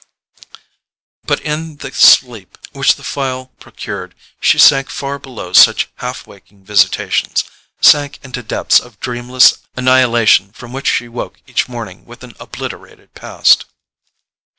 But in the sleep which the phial procured she sank far below such half waking visitations, sank into depths of dreamless annihilation from which she woke each morning with an obliterated past.